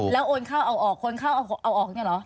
แล้วโอนเข้าเอาออกโอนเข้าเอาออกเนี่ยเหรอ